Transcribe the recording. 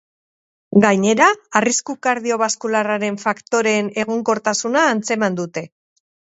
Gainera, arrisku kardiobaskularren faktoreen egonkortasuna antzeman dute.